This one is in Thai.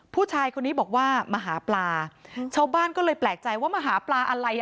ผู้ชายคนนี้บอกว่ามาหาปลาชาวบ้านก็เลยแปลกใจว่ามาหาปลาอะไรอ่ะ